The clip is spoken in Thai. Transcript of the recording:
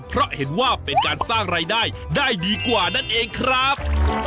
เพราะเห็นว่าเป็นการสร้างรายได้ได้ดีกว่านั่นเองครับ